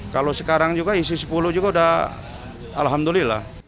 kalau sekarang juga isi sepuluh juga udah alhamdulillah